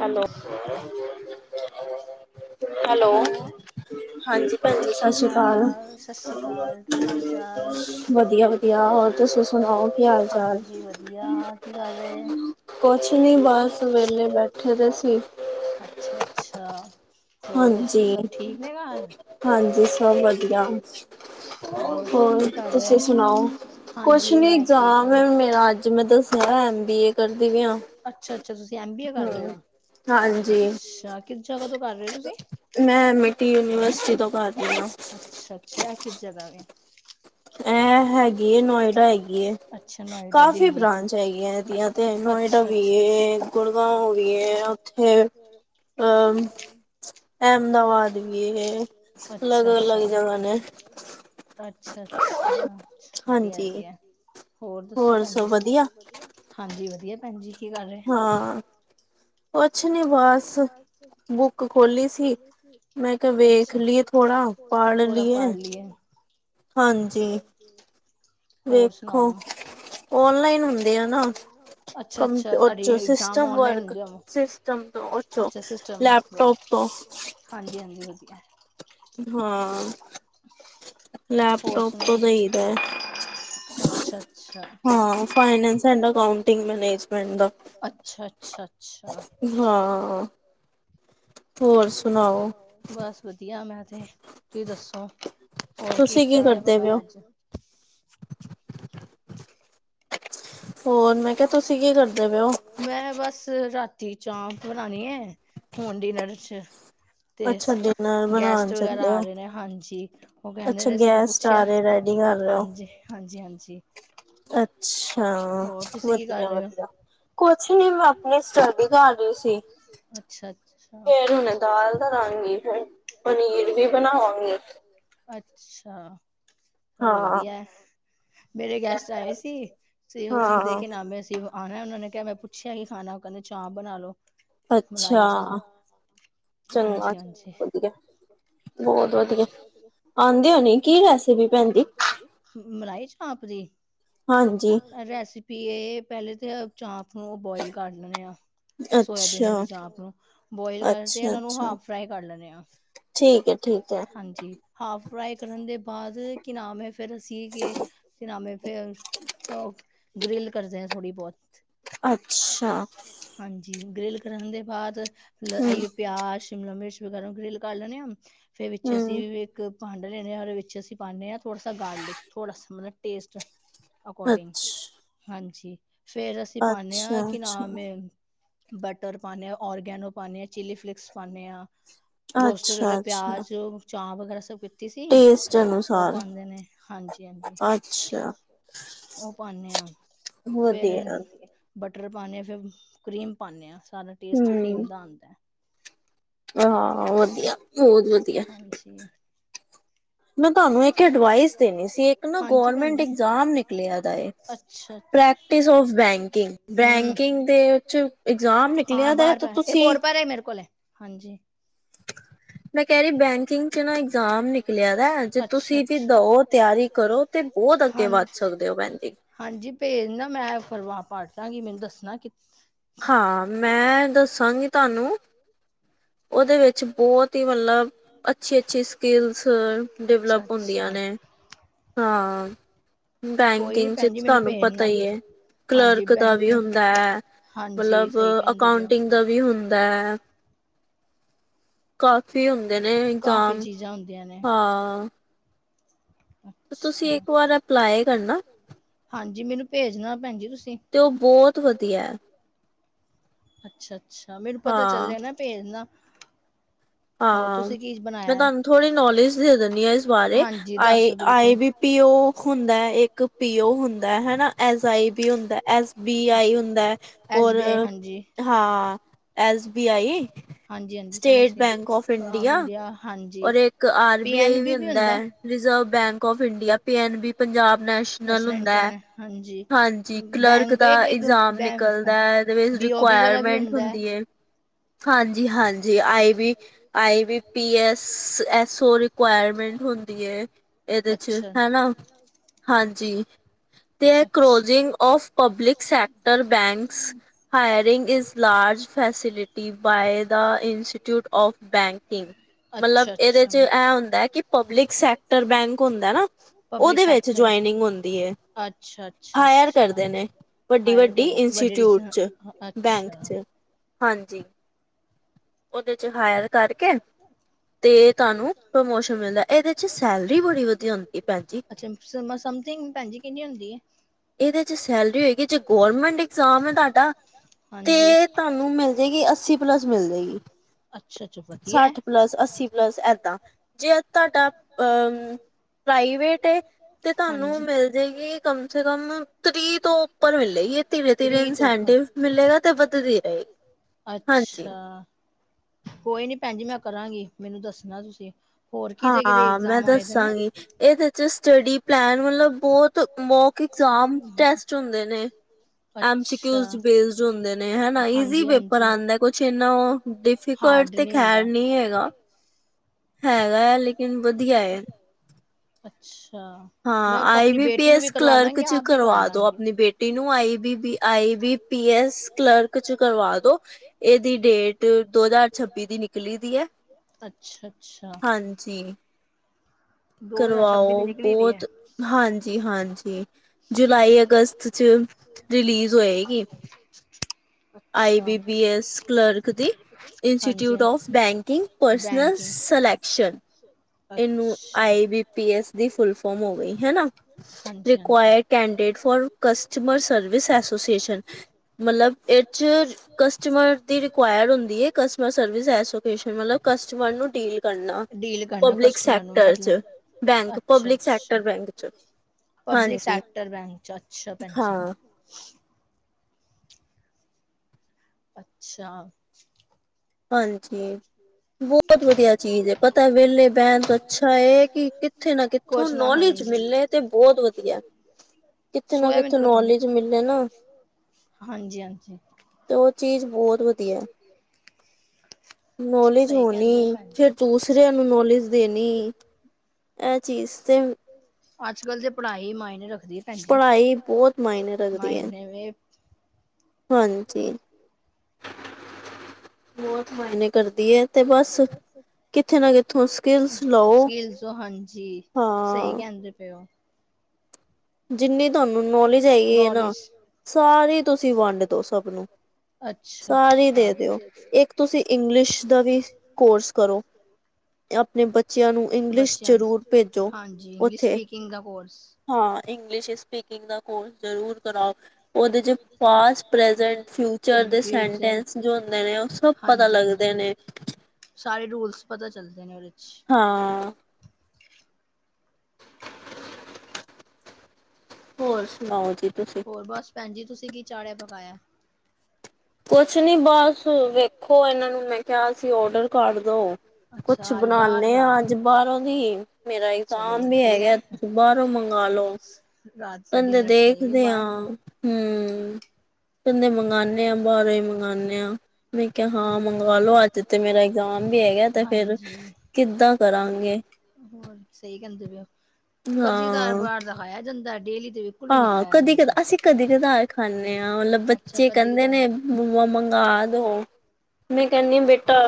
Hello. Hello. Sat Sri Akal. Sat Sri ਅਕਾਲ। ਕੀ, ਹਾਲ-ਚਾਲ? ਹਾਂਜੀ, ਵਧੀਆ। ਕੀ, ਕਰ ਰਹੇ? ਕੁਛ ਨੀ ਬਸ, ਵੇਲੇ ਬੈਠੇ ਅੱਛਾ-ਅੱਛਾ। ਹੋਰ ਦੱਸੋ, ਸਭ ਠੀਕ ਨੇ ਘਰ? ਹੋਰ ਕੀ ਕਰ ਰਹੇ? ਹਾਂਜੀ, ਮੈਂ ਠੀਕ ਹਾਂ। ਕੋ ਐਮ ਬੀ ਏ ਕਰਦੀ ਵੀ ਆਂ। ਅੱਛਾ-ਅੱਛਾ, ਤੁਸੀਂ ਐਮ ਬੀ ਏ ਕਰ ਰਹੇ ਹੋ? ਅੱਛਾ, ਕਿਸ ਜਗ੍ਹਾ ਤੋਂ ਕਰ ਰਹੇ ਤੁਸੀਂ? ਤੇ ਤੋਂ ਕਰਦੇ ਆਂ। ਤੇ ਇਹ ਕਿਜ਼ ਜਗਹ ਵੇ? ਅ ਏ ਹੈਗੀ ਏ ਨੋਇਡਾ ਹੈਗੀ ਏ। ਕਾਫੀ ਬ੍ਰਾਂਚ ਹੈਗੀਆਂ ਇਹਦੀਆਂ ਤੇ। ਏ ਨੋਇਡਾ ਡਾ ਵੀ ਏ, ਗੁੜਗਾਵ ਵੀ ਏ, ਉੱਥੇ ਅਹ ਅਹਿਮਦਾਬਾਦ ਵੀ ਇਹ, ਅਲੱਗ-ਅਲੱਗ ਜਗ੍ਹਾ ਨੇ। ਅੱਛਾ-ਅੱਛਾ, ਵਧੀਆ-ਵਧੀਆ। ਹੋਰ ਦੱਸੋ ਭੈਣਜੀ? ਹਾਂਜੀ, ਵਧੀਆ ਭੈਣ ਜੀ। ਕੀ ਕਰ ਰਹੇ? ਹਾਂ। ਕੁਛ ਨੀ ਬਸ। ਬੁੱਕ ਖੋਲੀ ਸੀ। ਮੈਂ ਕਿਹਾ ਵੇਖ ਲਈ ਥੋੜਾ, ਪੜ ਲਈਏ। ਹੋਰ ਸੁਣਾਓ? ਅੱਛਾ-ਅੱਛਾ, ਤੁਹਾਡੀ ਇਗਜ਼ਾਮ ਆਨਲਾਈਨ ਹੁੰਦੇ ਆ? ਅੱਛਾ, ਸਿਸਟਮ ਇਚ [unintelligible] ਹਾਂਜੀ-ਹਾਂਜੀ, ਵਧੀਆ। ਹਾਂ। ਹੋਰ ਸੁਣਾਓ? ਅੱਛਾ-ਅੱਛਾ। ਅਁਛਾ ਅ ਅੱਛਾ-ਅੱਛਾ। ਹੋਰ ਸੁਣਾਓ? ਬਸ ਵਧੀਆ ਮੈਂ ਤੇ। ਤੁਸੀਂ ਦੱਸੋ? ਹੋਰ ਕੀ ਚਾੜਿਆ-ਪਕਾਇਆ ਅੱਜ? [inaudible] ਹੋਰ ਮੈਂ ਕਿਹਾ, ਤੁਸੀਂ ਕੀ ਕਰਦੇ ਪਏ ਹੋ? ਮੈਂ ਬਸ ਰਾਤੀ ਚਾਹ ਬਣਾਉਣੀ ਹੈ, ਹੁਣ ਡਿਨਰ ਚ। ਤੇ ਗੈਸਟ ਵਗੈਰਾ ਆ ਰਹੇ ਨੇ, ਹਾਂਜੀ। ਉਹ ਕਹਿੰਦੇ ਨੇ ਅਸੀਂ ਮੈਂ ਪੁੱ ਅੱਛਾ, ਹਾਂਜੀ-ਹਾਂਜੀ, ਹਾਂਜੀ। ਅੱਛਾ, ਵਧੀਆ-ਵਧੀਆ। ਕੁਛ ਨਹੀਂ, ਮੈਂ ਆਪਣੀ ਸਟੱਡੀ ਕਰ ਰਹੀ ਸੀ। ਅੱਛਾ-ਅੱਛਾ। ਫੇਰ ਹੁਣ ਦਾਲ ਧਰਾਂਗੀ, ਫਿਰ ਪਨੀਰ ਵੀ ਬਣਾਵਾਂਗੀ। ਅੱਛਾ ਚਲੋ ਵਧੀਆ, ਮੇਰੇ ਗੈਸਟ ਆਏ ਸੀ ਤੇ ਉਹ ਕਹਿੰਦੇ ਕਿ ਨਾਮੈਂ ਅਸੀ ਆਣਾ ਉਹਨਾਂ ਨੇ ਕਿਹਾ ਮੈਂ ਪੁੱਛਿਆ ਹੀ ਖਾਣਾ, ਉਹ ਕਹਿੰਦੇ ਚਾਹ ਬਣਾ ਲੋ ਅੱਛਾ, ਚੰਗਾ ਵਧੀਆ ਬਹੁਤ ਵਧੀਆ, ਆਉਂਦੇ ਹੋ ਨੀ ਕੀ ਵੈਸੇ ਵੀ ਭੈਣਦੀ ਮਲਾਈ ਚਾਪ ਜੀ? ਅਁਛਾ ਰੈਸਪੀ ਵੀ ਇਹ, ਪਹਿਲੇ ਤਾਂ ਚਾਂਪ ਨੂੰ ਬੋਇਲ ਕਰ ਲਣੇ ਆ। ਸੋਆਬੀਨ ਵਾਲੀ ਚਾਪ ਨੂੰ ਬੋਇਲ ਕਰਕੇ, ਇਹਨਾਂ ਨੂੰ ਹਾਫ ਫਰਾਈ ਕਰ ਲੈਣੇ ਆ। ਹਾਂਜੀ, ਹਾਫ ਫਰਾਈ ਕਰਨ ਦੇ ਬਾਅਦ ਕਿ ਨਾਮ ਇਹ ਫਿਰ ਸੀ ਕਿਹ ਏ, ਕਿ ਨਾਮ ਹ ਫਿਰ ਤੋਂ ਗ੍ਰਿਲ ਕਰਦੇ ਥੋੜੀ ਬਹੁਤ, ਹਾਂਜੀ। ਗ੍ਰਿਲ ਕਰਨ ਦੇ ਬਾਅਦ ਇ ਪਿਆਜ, ਸ਼ਿਮਲਾ-ਮਿਰਚ ਵਗੈਰਾ ਗ੍ਰਿਲ ਕਰ ਲੈਣੇ ਆਂ, ਫੇਰ ਵਿੱਚ ਅਸੀਂ ਵੀ ਇੱਕ ਭੰਡਾ ਲੈਣੇ ਹਾਂ, ਉਹਦੇ ਵਿੱਚ ਅਸੀਂ ਪਾਂਦੇ ਹਾਂ ਥੋੜਾ ਸਾ ਗਾਰਲਿਕ, ਥੋੜਾ ਸ ਮਤਲਬ ਟੇਸਟ ਅਕੋਰਡਿੰਗ, ਹਾਂਜੀ। ਫੇਰ ਅਸੀਂ ਪਾਦੇ ਹਾਂ ਕਿ ਨਾਮ ਏ ਬਟਰ ਪਾਂਦੇ ਹਾਂ, ਔਰਗੈਨੋ ਪਾਉਂਦੇ ਹਾਂ, ਚਿੱਲੀ-ਫਲੇਿਕਸ ਪਾਦੇ ਹਾਂ, ਰੋਸਟਡ ਆਲੇ ਤੇ ਚਾਹ ਵਗੈਰਾ ਸਭ ਕਿ ਤੁਸੀ ਉਹ ਪਾਉਂਦੇ ਨੇ ਹਾਂਜੀ-ਹਾਂਜੀ ਉਹ ਪਾਉਦੇ ਆਂ, ਫੇਰ ਬਟਰ ਪਾਦੇ ਹਾਂ ਫਿਰ ਕਰੀਮ ਪਾਂਦੇ ਆਾਂ ਸਾਰਾ ਟੇਸਟ ਕਰੀਮ ਦਾ ਆਉਂਦਾ ਹਾਂ, ਵਧੀਆ ਬਹੁਤ ਵਧੀਆ ਅੱਛਾ [inaudible] ਅੱਛਾ, ਅੱਛਾ ਪ੍ਰਕ ਬਕ ਬੈਂਕਿੰਗ ਦੇ ਹਾਂ, ਬਾਹਰ ਪੈ ਇੱਕ ਹੋਰ ਪੈਰੇ ਮੇਰੇ ਕੋਲ ਹਾਂਜੀ ਮੈਂ ਕਹਿ ਰਹੀ ਬੈਂਕਿੰਗ ਚ ਨਾ ਇਗਜ਼ਾਮ ਨਿਕ ਕਲੀਅਰ ਹੈ ਜੇ ਤੁਸੀਂ ਦੀ ਦਿਓ ਤਿਆਰੀ ਕਰੋ ਤੇ ਬਹੁਤ ਅੱਗੇ ਵੱਧ ਸਕਦੇ ਹੋ ਪੈਂਟਿੰਗ ਹਾਂਜੀ ਭੇਜ ਨਾ ਮੈਂ ਫਰਵਾ ਪਾ ਦਾਂਗੀ ਮੈਨੂੰ ਦੱਸਣਾ ਕਿ ਹਾਂ ਮੈਂ ਦੱਸਾਂਗੀ ਤੁਹਾਨੂੰ ਉਹਦੇ ਵਿੱਚ ਬਹੁਤ ਹੀ ਮਤਲਬ ਅੱਛੀ, ਅੱਛੀ ਸਕਿੱਲਿਸ ਡਿਵਲਪ ਹੁੰਦੀਆਂ ਨੇ, ਹਾਂ ਬੈਂਕਿੰਗ ਚ ਤੁਹਾਨੂੰ ਪਤਾ ਹੀ ਹੈ ਕਲਰਕ ਦਾ ਵੀ ਹੁੰਦਾ ਹੈ, ਮਤਲਬ ਅਕਾਉਂਟਿੰਗ ਦਾ ਵੀ ਹੁੰਦਾ ਹੈ ਕਾਫੀ ਹੁੰਦੇ ਨੇ ਇਗਜ਼ਾਮ ਹਾਂ ਤੁਸੀਂ ਇੱਕ ਵਾਰ ਅਪਲਾਈ ਕਰਨਾ ਹਾਂਜੀ, ਮੈਨੂੰ ਭੇਜ ਦੇਣਾ ਭੈਣ ਜੀ ਤੁਸੀਂ ਤੇ ਉਹ ਬਹੁਤ ਵਧੀਆ ਹੈ ਅੱਛਾ, ਅੱਛਾ ਮੈਨੂੰ ਪਤਾ ਚੱਲਿਆ ਨਾ ਭੇਜ ਨਾ ਹਾਂ ਮੈਂ ਤੁਹਾਨੂੰ ਥੋੜ੍ਹੀ ਨੌਲੇਜ ਦੇ ਦਿੰਦੀ ਹਾਂ ਇਸ ਬਾਰੇ ਆਏ, ਆਏ ਵੀ ਪੀਓ ਹੁੰਦਾ ਹੈ ਇੱਕ ਪੀਓ ਹੁੰਦਾ ਹਨਾ ਐਸ ਆਈ ਵੀ ਹੁੰਦਾ, ਐਸ ਬੀ ਆਈ ਹੁੰਦਾ ਹੈ ਔਰ ਹਾਂ, ਐਸ ਬੀ ਆਈ ਹਾਂਜੀ- ਹਾਂਜੀ ਸਮਝ ਕੇ ਇੰਡੀਆ ਹਾਂਜੀ ਪੀ ਐਨ ਬੀ ਵੀ ਹੁੰਦਾ Reserve Bank of India, P N B Punjab National ਹੁੰਦਾ ਹੈ, ਹਾਂਜੀ ਕਲਰਕ ਦਾ ਇਗਜ਼ਾਮ ਨਿਕਲਦਾ ਹੈ। ਰਿਕੁਆਇਰਮੈਂਟ ਹੁੰਦੀ ਹੈ, ਹਾਂਜੀ -ਹਾਂਜੀ I V I V P S S O requirement ਹੁੰਦੀ ਹੈ ਇਹਦੇ ਚ ਹੈ ਨਾ ਹਾਂਜੀ ਤੇ closing of public sector banks hiring is large facility by the ਇੰਸਟੀਟਿਊਟਫ of banking ਮਤਲਬ ਇਹਦੇ ਚ ਇਹ ਹੁੰਦਾ ਹੈ ਕਿ ਪਬਲਿਕ ਸੈਕਟਰ ਬੈਂਕ ਹੁੰਦਾ ਨਾ ਪਬਲਿਕ ਸ਼ ਜੁਆਇਨਿੰਗ ਹੁੰਦੀ ਹੈ ਅੱਛਾ -ਅੱਛਾ -ਅੱਛਾ। ਵੱਡੀ -ਵੱਡੀ ਇੰਸਟੀਚਿਊਟ ' ਬੈਂਕ ' ਹਾਂਜੀ ਉਹਦੇ 'ਚ ਹਾਇਰ ਕਰਕੇ ਤੇ ਤੁਹਾਨੂੰ ਪ੍ਰਮੋਸ਼ਨ ਮਿਲਦਾ, ਇਹਦੇ ਚ ਸੈਲਰੀ ਬੜੀ ਵਧੀਆ ਹੁੰਦੀ ਭੈਣਜੀ ਅੱਛਾ, ਸਮਥਿੰਗ ਭੈਣਜੀ ਕਿੰਨੀ ਹੁੰਦੀ ਹੈ ਇਹਦੇ ਚ ਸੈਲਰੀ ਹੋਏਗੀ ਜੇ ਗੌਰਮੈਂਟ ਇਗਜ਼ਾਮ ਹੈ ਤੁਹਾਡਾ, ਤੇ ਤੁਹਾਨੂੰ ਮਿਲ ਜਿਹੜੀ ਕਿ ਅੱਸੀ ਪਲੱਸ ਮਿਲ ਜਾਏਗੀ ਸੱਠ ਪਲੱਸ ਅੱਸੀ ਪਲੱਸ ਏਦਾਂ ਜੇ ਤੁਹਾਡਾ ਅ ਕਿਵੇਂ ਤੇ ਤੁਹਾਨੂੰ ਮਿਲ ਜਾਏਗੀ ਕਮ ਸੇ ਕਮ ਤਰੀ ਤੋਂ ਉੱਪਰ ਮਿਲੇਗੀ ਇਹ ਧੀਰੇ ਧੀਰੇ ਇਨਸੈਂਟਿਵ ਮਿਲੇਗਾ ਤੇ ਵੱਧਦੀ ਰਹੇਗੀ ਅੱਛਾ। ਕੋਈ ਨੀ ਭੈਣ ਜੀ ਮੈਂ ਕਰਾਂਗੀ ਮੈਨੂੰ ਦੱਸਣਾ ਤੁਸੀਂ ਹੋਰ ਕਿਹਦੇ ਕਿਹਦੇ ਇਗਜ਼ਾਮ ਆਏ ਨੇ ਇਹਦੇ ਚ ਸਟੱਡੀ ਪਲੈਨ ਵਾਲੋ ਬਹੁਤ ਮੌਕ ਇਗਜ਼ਾਮ ਟੈਸਟ ਹੁੰਦੇ ਨੇ ਐਮਸੀਕਊ ਬੇਸਡ ਹੁੰਦੇ ਨੇ ਨਾ ਹਨਾ ਈਜ਼ੀ ਪੇਪਰ ਆਉਂਦਾ ਕੁਛ ਇੰਨਾ ਉਹ ਡਿਫੀਕਲਟ ਤੇ ਖੈਰ ਨਹੀਂ ਹੈਗਾ। ਹੈਗਾ ਆ ਲੇਕਿਨ ਵਧੀਆ ਹੈ। ਅੱਛਾ। ਹਾਂ I B P S clerk 'ਚ ਕਰਵਾ ਦੋ ਆਪਣੀ ਬੇਟੀ ਨੂੰ I B B. I B P S clerk 'ਚ ਕਰਵਾ ਦੋ। ਇਹਦੀ ਡੇਟ ਦੋ ਹਜ਼ਾਰ ਛੱਬੀ ਦੀ ਨਿਕਲੀ ਦੀ ਹੈ। ਅੱਛਾ ਅੱਛਾ। ਹਾਂਜੀ। ਕਰਵਾਓ ਬਹੁਤ ਹਾਂਜੀ ਹਾਂਜੀ। ਜੁਲਾਈ ਅਗਸਤ 'ਚ ਰਿਲੀਜ਼ ਹੋਏਗੀ। I B B S clerk ਦੀ institute of banking. Personnel selection. ਇਹਨੂੰ ਆਈ ਬੀ ਪੀ ਐਸ ਦੀ ਫੁਲ ਫੋਮ ਹੋਵੇ ਹਨਾ require ਕਡੇਟ for customer service association ਮਤਲਬ ਇਚ ਕਸਟਮਰ ਦੀ ਰਿਕੁਰ ਹੁੰਦੀ ਕਸਟਮਰ ਸਰਵਿਸ ਐਸੋਕੇਸ਼ਨ ਕਸਟਮਰ ਨੂੰ ਡੀਲ ਕਰਨਾ ਪਬਲਿਕ ਸੈਕਟਰ ਚ ਬੈਂਕ ਪਬਲਿਕ ਸੈਕਟਰ ਬੈਂਕ ਚ ਪਬਲਿਕ ਸੈਕਟਰ ਬੈਂਕ ਚ ਅੱਛਾ ਭੈਣ ਜੀ ਅੱਛਾ। ਹਾਂਜੀ ਬਹੁਤ ਵਧੀਆ ਚੀਜ਼ ਹੈ। ਪਤਾ ਵਿਹਲੇ ਬਹਿਣ ਤੋਂ ਅੱਛਾ ਹੈ ਕਿ। ਕਿੱਥੇ ਨਾ ਕਿੱਥੋਂ ਨੌਲੇਜ ਮਿਲੇ ਤੇ ਬਹੁਤ ਵਧੀਆ ਕਿੱਥੇ ਨਾ ਕਿੱਥੋਂ ਨੌਲੇਜ ਮਿਲੇ ਨਾ। [unintelligible] ਹਾਂਜੀ ਹਾਂਜੀ। ਤੇ ਉਹ ਚੀਜ਼ ਬਹੁਤ ਵਧੀਆ ਹੈ। [unintelligible] ਨੋਲੇਜ ਹੋਣੀ ਫਿਰ ਦੂਸਰਿਆਂ ਨੂੰ ਨੋਲੇਜ ਦੇਣੀ। ਇਹ ਚੀਜ਼ ਤੇ ਹੁਣ। ਅੱਜ ਕੱਲ ਦੇ ਪੜ੍ਹਾਈ ਮਾਇਨੇ ਰੱਖਦੀ ਹੈ। ਪੜ੍ਹਾਈ ਬਹੁਤ ਮਾਇਨੇ ਰੱਖਦੀ ਹੈ ਹਾਂਜੀ। ਬਹੁਤ ਮਾਇਨੇ ਕਰਦੀ ਹੈ ਤੇ ਬਸ। ਕਿੱਥੇ ਨਾ ਕਿੱਥੋਂ ਸਕਿਲਸ ਲਓ ਹਾਂ। ਜਿੰਨੀ ਤੁਹਾਨੂੰ ਨੌਲੇਜ ਹੈਏਗੀ ਹੈ ਨਾ ਸਾਰੀ ਤੁਸੀਂ ਵੰਡ ਦੋ ਸਭ ਨੂੰ। ਅੱਛਾ ਅੱਛਾ। ਬੱਚਿਆਂ ਨੂੰ ਹਾਂਜੀ ਇੰਗਲਿਸ਼ ਸਪੀਕਿੰਗ ਦਾ ਕੋਰਸ। ਹਾਂ ਇੰਗਲਿਸ਼ ਸਪੀਕਿੰਗ ਦਾ ਕੋਰਸ ਜ਼ਰੂਰ ਕਰਾਓ। ਉਹਦੇ 'ਚ ਪਾਸਟ, ਪ੍ਰੈਜੈਂਟ, ਫਿਊਚਰ ਦੇ ਸੈਂਟੈਂਸ ਜੋ ਹੁੰਦੇ ਨੇ ਉਹ ਸਭ। ਪਤਾ ਲੱਗਦੇ ਨੇ। ਸਾਰੇ ਰੂਲਸ ਪਤਾ ਚੱਲਦੇ ਨੇ ਉਹਦੇ 'ਚ। ਹਾਂ। ਹੋਰ ਸੁਣਾਓ ਜੀ। ਹੋਰ ਬਸ ਭੈਣ ਜੀ ਤੁਸੀਂ ਕੀ ਚਾੜਿਆ ਪਕਾਇਆ ਹੈ। ਕੁਛ ਨੀ ਬਸ ਵੇਖੋ ਇਹਨਾਂ ਨੂੰ ਮੈਂ ਕਿਹਾ ਸੀ ਔਡਰ ਕਰ ਦੋ। ਕੁਛ ਬਣਾਦੇ ਹਾਂ ਅੱਜ ਬਾਹਰੋਂ ਦੀ ਮੇਰਾ ਇਗਜ਼ਾਮ ਵੀ ਹੈਗਾ। ਕੁਛ ਬਾਹਰੋਂ ਮੰਗਾਲਓ ਕਹਿੰਦੇ ਦੇਖਦੇ ਹਾਂ। ਹੂੰ ਕਹਿੰਦੇ ਦੇ ਮੰਗਵਾਉਂਦੇ ਆਂ ਬਾਹਰੋਂ ਹੀ ਮੰਗਵਾਉਂਦੇ ਆਂ। ਮੈਂ ਕਿਹਾ ਹਾਂ ਮੰਗਵਾ ਲਓ ਅੱਜ ਤੇ ਮੇਰਾ ਇਗਜ਼ਾਮ ਵੀ ਹੈਗਾ ਤੇ ਫਿਰ। ਕਿੱਦਾਂ ਕਰਾਂਗੇ। ਹੋਰ ਸਹੀ ਕਹਿੰਦੇ ਪਏ ਹੋ। ਕਦੀ ਤਾ ਬਾਹਰ ਦਾ ਖਾਇਆ ਜਾਂਦਾ ਡੇਲੀ ਦੇ। ਹਾਂ ਕਦੀ ਕਦੇ ਅਸੀਂ ਕਦੀ ਕਦਾਰ ਖਾਂਦੇ ਹਾਂ। ਮਤਲਬ ਬੱਚੇ ਕਹਿੰਦੇ ਨੇ। ਬੂ ਮੰਗਵਾ ਦੋ, ਮੈਂ ਕਹਿੰਦੀ ਬੇਟਾ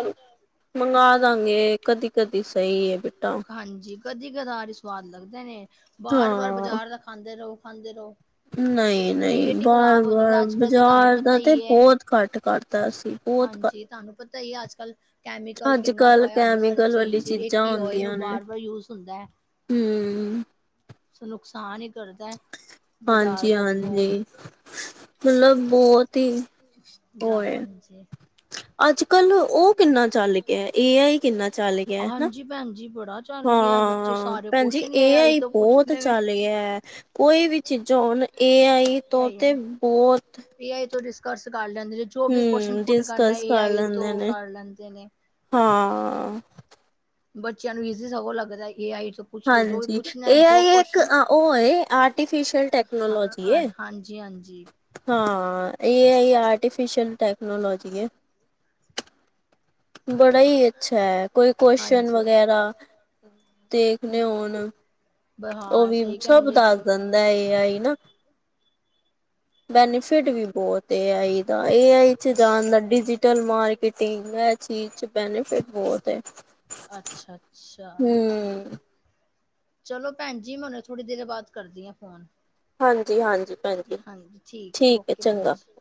ਮੰਗਵਾ ਕਰਾਂਗੇ ਕਦੀ- ਕਦੀ ਸਹੀ ਬੇਟਾ ਹਾਂਜੀ ਕਦੀ ਕਦਾਰੀ ਹੀ ਸਵਾਦ ਲੱਗਦੇ ਨੇ ਵਾਰ- ਵਾਰ ਬਜ਼ਾਰ ਦਾ ਖਾਂਦੇ ਰਹੋ, ਖਾਂਦੇ ਰਹੋ ਪੇਟ ਹੀ ਖ਼ਰਾਬ ਹੋ ਜਾਂਦਾ ਅੱਜ ਕੱਲ੍ਹ ਦੀ ਤੁਹਾਨੂੰ ਪਤਾ ਹੀ ਹੈ ਹਾਂਜੀ, ਤੁਹਾਨੂੰ ਪਤਾ ਹੀ ਅੱਜ ਕੱਲ ਕੈਮੀਕਲ ਕਿੰਨਾ ਪਾਇਆ ਦਾ ਹਰ ਚੀਜ਼ ਇੱਕ ਹੀ ਓਇਲ ਨੂੰ ਵਾਰ- ਵਾਰ ਯੂਜ ਹੁੰਦਾ ਹੈ ਹਮ ਸ ਨੁਕਸਾਨ ਹੀ ਕਰਦਾ ਹੈ, ਬਜ਼ਾਰ ਦਾ ਤੇ ਬਹੁਤ ਗਾਹਾਂ ਜੇ ਹਾਂਜੀ ਭੈਣ ਜੀ ਬੜਾ ਹਾਂ, ਭੈਣ ਜੀ ਇਹ ਆਈ ਬਹੁਤ ਚੱਲ ਗਿਆ ਕੋਈ ਵੀ ਚੀਜ਼ਾਂ ਹੁਣ ਏ ਆਈ ਤੋਂ ਤੇ ਬਹੁਤ ਏ ਆਈ ਤੋਂ ਡਿਸਕਸ ਕਰ ਲੈਂਦੇ ਨੇ ਜੋ ਵੀ ਕੁਨਸਨ ਪੁੱਟ ਕਰਨਾ ਏ ਆਈ ਤੋਂ ਕਰ ਲੈਂਦੇ ਨੇ ਹਾਂ ਬੱਚਿਆਂ ਨੂੰ ਈਜੀ ਸਗੋਂ ਲੱਗਦਾ ਏ ਆਈ ਤੋਂ। ਪੁੱਛ ਲੋੋ ਜੋ ਵੀ ਪੁੱਛਣਾ ਹੈ। ਜੋ ਕੁਐਸਸ਼ਨ ਹਾਂ ਹਾਂਜੀ -ਹਾਂਜੀ। ਹਾਂ, ਇਹ ਆਈ ਆਰਟੀਫਿਸ਼ਲ ਟੈਕਨੋਲੋਜੀ ਹੈ। ਬੜਾ ਹੀ ਅੱਛਾ ਹੈ। ਕੋਈ ਕੁਐਸਸ਼ਨ ਵਗੈਰਾ। ਦੇਖਲੇ ਹੁਣ, ਉਹ ਵੀ ਸਭ ਦੱਸ ਦਿੰਦਾ। ਦਾ ਇਹ ਆਈ ਨਾ ਬੈਨੀਫਿਟ ਵੀ ਬਹੁਤ ਇਹ ਆ‌ਈ। ਇਹ ਆਈ 'ਚ ਜਾਣਦਾ ਡਿਜੀਟਲ ਮਾਰਕੀਟਿੰਗ ਹੈ। ਚੀਜ਼ ਚ ਬੈਨੀਫਿਟ ਬਹੁਤ ਹੈ। ਅੱਛਾ, ਅੱਛਾ ਚਲੋ ਭੈਣ ਜੀ, ਮੈ ਥੋੜ੍ਹੀ ਦੇਰ ਬਾਅਦ ਕਰਦੀ ਹਾਂ ਫੋਨ ਹਾਂਜੀ, ਠੀਕ ਓਕੇ ਭੈਣ ਜੀ